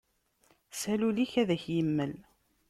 Sal ul-ik, ad ak-imel.